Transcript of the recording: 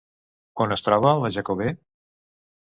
On es troba la Jacobè?